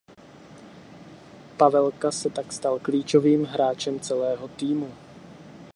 Pavelka se tak stal klíčovým hráčem celého týmu.